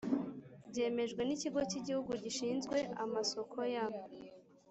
byemejwe n Ikigo cy Igihugu Gishinzwe Amasoko ya